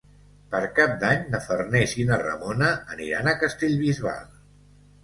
Per Cap d'Any na Farners i na Ramona aniran a Castellbisbal.